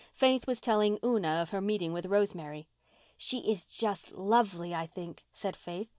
Faith was telling Una of her meeting with Rosemary. "She is just lovely, I think," said Faith.